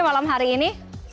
malam hari ini